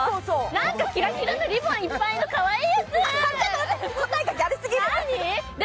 なんかキラキラのリボンいっぱいのかわいいやつ？